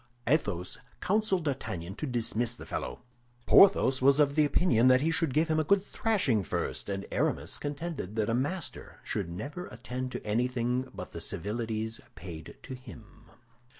Athos counseled D'Artagnan to dismiss the fellow; Porthos was of the opinion that he should give him a good thrashing first; and Aramis contended that a master should never attend to anything but the civilities paid to him.